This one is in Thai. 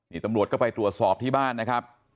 นี่ตำรวจก็ไปตรวจสอบที่บ้านนะครับ